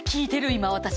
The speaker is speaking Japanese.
今私。